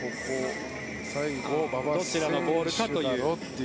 どちらのボールかという。